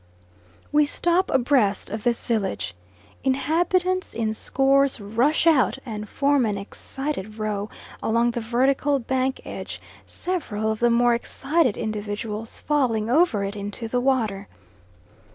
We stop abreast of this village. Inhabitants in scores rush out and form an excited row along the vertical bank edge, several of the more excited individuals falling over it into the water.